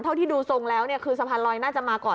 เท่าที่ดูทรงแล้วเนี่ยคือสะพานลอยน่าจะมาก่อน